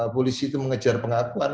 polisi itu mengejar pengakuan